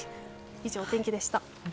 以上、お天気でした。